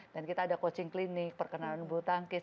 dan kita ada coaching clinic perkenalan bulu tangkis